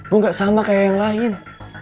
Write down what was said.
gue gak sama kayak yang lain